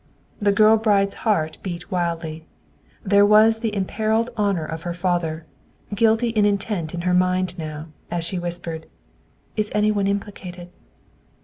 The girl bride's heart beat wildly. There was the imperilled honor of her father, guilty in intent in her mind now, as she whispered, "Is any one implicated?"